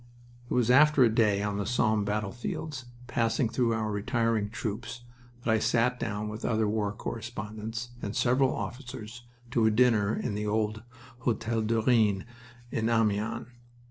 It was after a day on the Somme battlefields, passing through our retiring troops, that I sat down, with other war correspondents and several officers, to a dinner in the old Hotel du Rhin in Amiens.